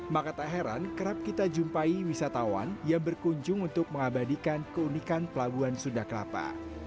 maka tak heran kerap kita jumpai wisatawan yang berkunjung untuk mengabadikan keunikan pelabuhan sunda kelapa